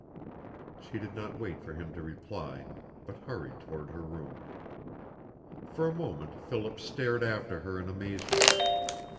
She did not wait for him to reply, but hurried toward her room. For a moment Philip stared after her in amazement.